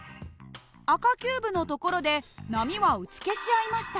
赤キューブの所で波は打ち消し合いました。